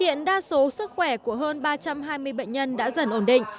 hiện đa số sức khỏe của hơn ba trăm hai mươi bệnh nhân đã dần ổn định